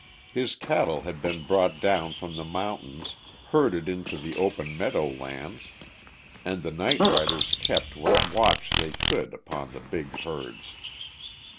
His cattle had been brought down from the mountains, herded into the open meadow lands, and the night riders kept what watch they could upon the big herds.